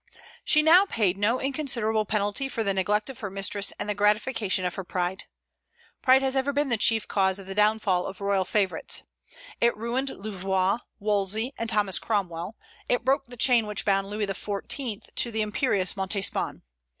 She now paid no inconsiderable penalty for the neglect of her mistress and the gratification of her pride. Pride has ever been the chief cause of the downfall of royal favorites. It ruined Louvois, Wolsey, and Thomas Cromwell; it broke the chain which bound Louis XIV. to the imperious Montespan.